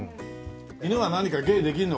犬は何か芸できるの？